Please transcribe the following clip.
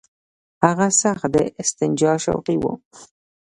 هغه سخت د استنجا شوقي وو.